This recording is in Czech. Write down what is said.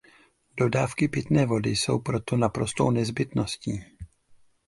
Dodávky pitné vody jsou proto naprostou nezbytností.